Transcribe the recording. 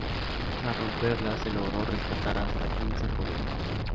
Tras romperla se logró rescatar hasta quince jóvenes.